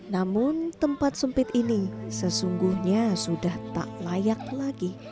namun tempat sempit ini sesungguhnya sudah tak layak lagi